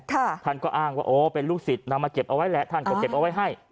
ท่านก็อ้างว่าเป็นลูกสิทธิ์เรามาเก็บเอาไว้แล้วท่านก็จะเก็บเอาไว้ให้